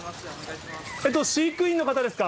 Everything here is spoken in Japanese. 飼育員の方ですか？